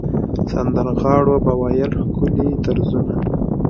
سندرغاړو به ویل ښکلي طرزونه.